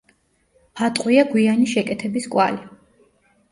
ატყვია გვიანი შეკეთების კვალი.